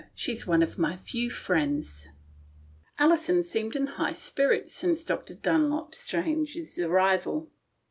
She's one of my few friends." Alison seemed in high spirits since Dr. Dunlop Strange's arrival.